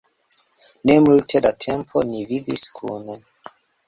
Ne multe da tempo ni vivis kune.